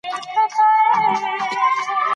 په ګونګه ژبه نظمونه لیکم